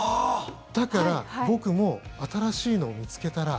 だから、僕も新しいのを見つけたら。